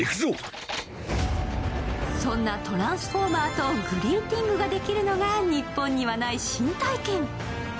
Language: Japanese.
そんなトランスフォーマーとグリーティングができるのが日本にはない新体験。